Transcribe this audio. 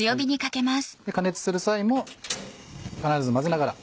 加熱する際も必ず混ぜながら。